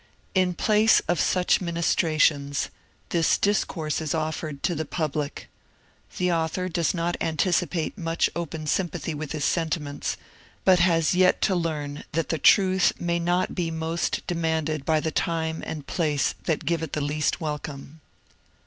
In place of such ministrations, this discourse is offered to the public. The author does not anticipate much open sym pathy with his sentiments, but has yet to learn that the truth may not be most demanded by the time and place that give it the least welcome.